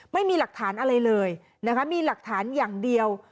ไม่มีหลักฐานอะไรเลยนะคะมีหลักฐานอย่างเดียว